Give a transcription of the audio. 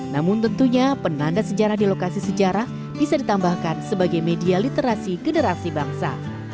namun tentunya penanda sejarah di lokasi sejarah bisa ditambahkan sebagai media literasi generasi bangsa